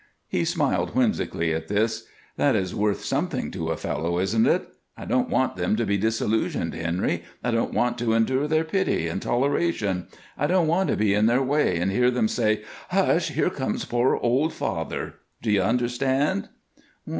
He smiled whimsically at this. "That is worth something to a fellow, isn't it? I don't want them to be disillusioned, Henry; I don't want to endure their pity and toleration. I don't want to be in their way and hear them say, 'Hush! Here comes poor old father!' Do you understand?"